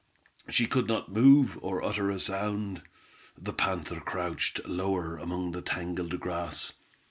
She could not move, or utter a sound. The panther crouched lower among the tangled grass.